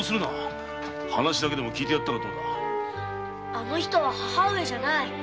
あの人は母上じゃない。